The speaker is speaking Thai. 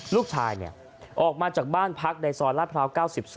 ลูกชายออกมาจากบ้านพักในซอยลาดพร้าว๙๒